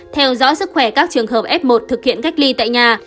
theo dõi sức khỏe các trường hợp f một thực hiện cách ly tại nhà